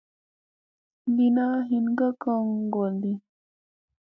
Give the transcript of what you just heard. Lina hin ka kon ŋgolɗi.